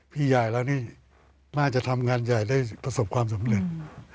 พี่ใหญ่แล้วนี่น่าจะทำงานใหญ่ได้ประสบความสำเร็จ